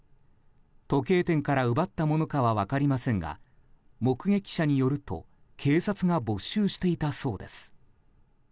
時計店から奪ったものかは分かりませんが目撃者によると警察が没収していたそうです。